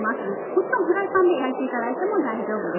もちろんフライパンで焼いて頂いても大丈夫です。